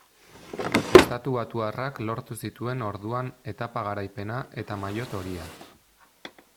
Estatubatuarrak lortu zituen orduan etapa garaipena eta maillot horia.